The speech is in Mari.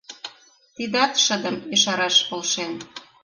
Тидат шыдым ешараш полшен.